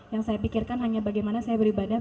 yang saya pikirkan hanya bagaimana saya beribadah